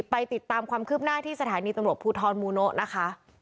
ไปติดตามความคืบหน้าที่สถานีตำรวจภูทรมูโนะนะคะ